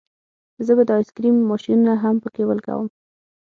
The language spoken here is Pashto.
زه به د آیس کریم ماشینونه هم پکې ولګوم